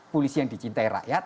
polisi yang dicintai rakyat